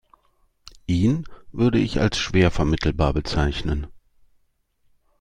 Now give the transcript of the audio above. Ihn würde ich als schwer vermittelbar bezeichnen.